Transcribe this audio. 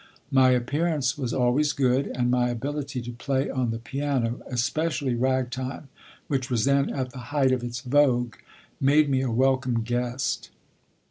My appearance was always good and my ability to play on the piano, especially ragtime, which was then at the height of its vogue, made me a welcome guest.